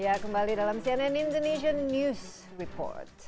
ya kembali dalam cnn indonesian news report